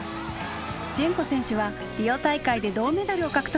順子選手はリオ大会で銅メダルを獲得。